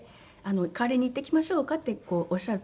代わりに行ってきましょうかっておっしゃって編集者の方。